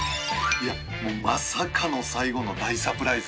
いやまさかの最後の大サプライズ。